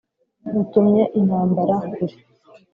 utumye intambara kure.